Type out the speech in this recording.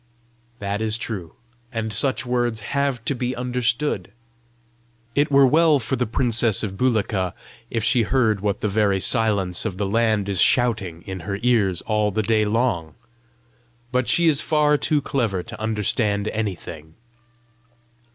"That is true, and such words HAVE to be understood. It were well for the princess of Bulika if she heard what the very silence of the land is shouting in her ears all day long! But she is far too clever to understand anything."